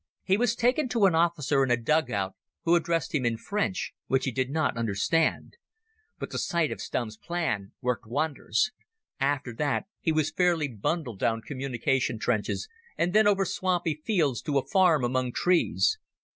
He was taken to an officer in a dug out, who addressed him in French, which he did not understand. But the sight of Stumm's plan worked wonders. After that he was fairly bundled down communication trenches and then over swampy fields to a farm among trees.